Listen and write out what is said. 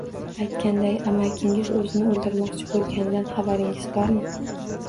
Aytganday, amakingiz o`zini o`ldirmoqchi bo`lganidan xabaringiz bormi